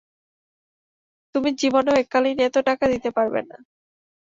তুমি জীবনেও এককালীন এত টাকা দিতে পারবে না।